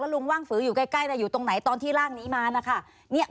ลุงว่างฝืออยู่ใกล้อยู่ตรงไหนตอนที่ร่างนี้มานะคะ